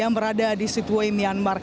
berada di seatway myanmar